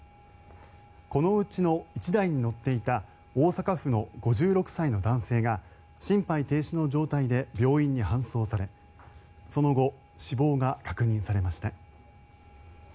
このうちの１台に乗っていた大阪府の５６歳の男性が心肺停止の状態で病院に搬送されその後、死亡が確認されました。